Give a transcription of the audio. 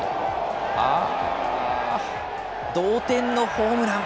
同点のホームラン。